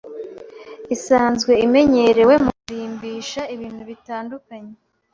isanzwe imenyerewe mu kurimbisha ibintu bitandukanye